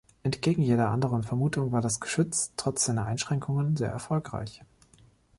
Entgegen jeder anderen Vermutung war das Geschütz trotz seiner Einschränkungen sehr erfolgreich.